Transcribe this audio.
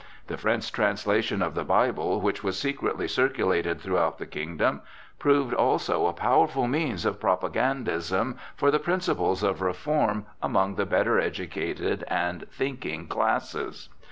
The French translation of the Bible, which was secretly circulated throughout the kingdom, proved also a powerful means of propagandism for the principles of reform among the better educated and thinking classes.